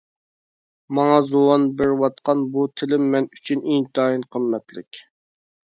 ماڭا زۇۋان بېرىۋاتقان بۇ تىلىم مەن ئۈچۈن ئىنتايىن قىممەتلىك.